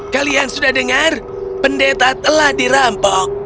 kalian sudah dengar pendeta telah dirampok